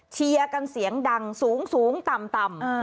เชียร์กันเสียงดังสูงสูงต่ำต่ำเออ